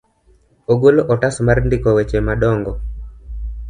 Ogolo otas mar ndiko weche madongo.